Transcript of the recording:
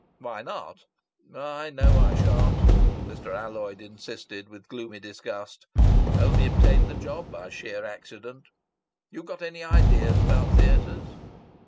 "Why not?" "I know I shan't," Mr. Alloyd insisted with gloomy disgust. "Only obtained this job by sheer accident! ... You got any ideas about theatres?"